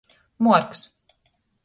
Muorks.